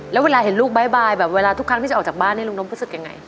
แล้วเวลาเห็นลูกบ๊ายแบบเวลาทุกครั้งที่จะออกจากบ้านนี่ลุงนมรู้สึกยังไง